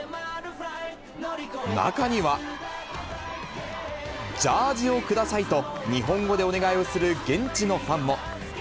中には、ジャージをくださいと、日本語でお願いをする現地のファンも。